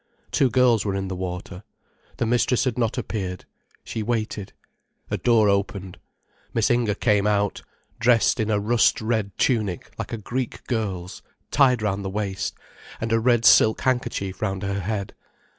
Two girls were in the water. The mistress had not appeared. She waited. A door opened. Miss Inger came out, dressed in a rust red tunic like a Greek girl's, tied round the waist, and a red silk handkerchief round her head.